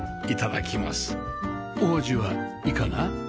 お味はいかが？